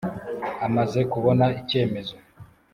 Amaze kubona icyemezo.